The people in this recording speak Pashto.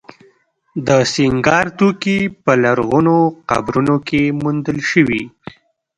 د سینګار توکي په لرغونو قبرونو کې موندل شوي